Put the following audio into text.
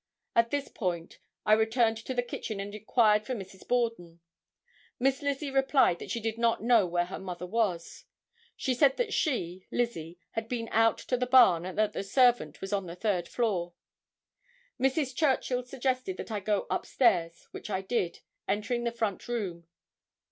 At this point I returned to the kitchen and inquired for Mrs. Borden. Miss Lizzie replied that she did not know where her mother was. She said that she (Lizzie) had been out to the barn and that the servant was on the third floor. Mrs. Churchill suggested that I go up stairs, which I did, entering the front room.